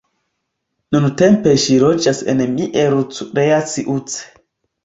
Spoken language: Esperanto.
Nuntempe ŝi loĝas en Miercurea Ciuc.